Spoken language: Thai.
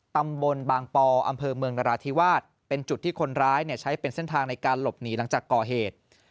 ตำบลบางปออำเภอเมืองนราธิวาสเป็นจุดที่คนร้ายใช้เป็นเส้นทางในการหลบหนีหลังจากก่อเหตุ